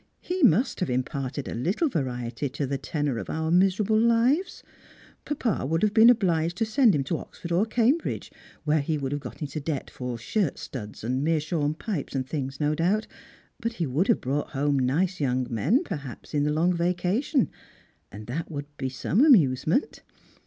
He must have imparted a little variety to the tenor of our miserable lives. Paj)a would have been obliged to send him to Oxford or Cambridge, where he would have got into debt for shirt studs and meerschaum pipes and things, no doubt ; but he would have brought home nice young men, perhaps, in the long vacation, and that would be some amusement.